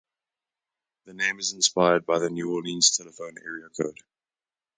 The name is inspired by the New Orleans telephone area code.